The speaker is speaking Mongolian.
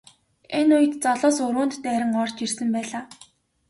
Энэ үед залуус өрөөнд дайран орж ирсэн байлаа.